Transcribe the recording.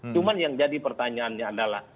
cuma yang jadi pertanyaannya adalah